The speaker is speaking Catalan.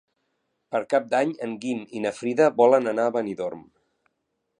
Per Cap d'Any en Guim i na Frida volen anar a Benidorm.